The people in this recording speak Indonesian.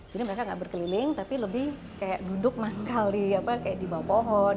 jadi mereka enggak berkeliling tapi lebih kayak duduk mangkali kayak di bawah pohon